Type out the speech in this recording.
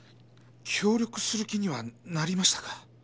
協力する気にはなりましたか？